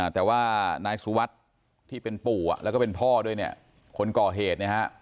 แต่ว่านายสุวรรค์ที่เป็นปูแล้วก็เป็นพ่อด้วยคนก่อเหตุ